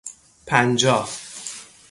پنجاه